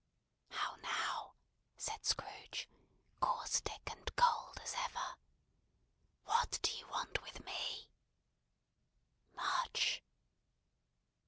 "How now!" said Scrooge, caustic and cold as ever. "What do you want with me?" "Much!"